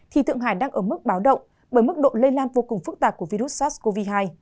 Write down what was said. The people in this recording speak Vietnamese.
thì tượng hải đang ở mức báo động bởi mức độ lây lan vô cùng phức tạp của virus sars cov hai